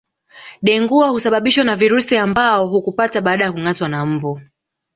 Dengua husababishwa na virusi ambao hukupata baada ya kungâatwa na mbu